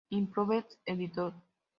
Improved Edition.